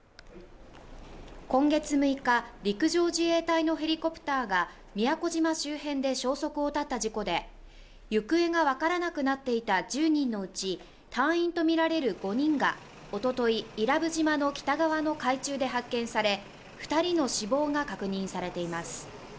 今月６日、陸上自衛隊のヘリコプターが宮古島周辺で消息を絶った事故で、行方がわからなくなっていた１０人のうち、隊員とみられる５人が一昨日伊良部島の北側の海中で発見され、２人の死亡が確認されています。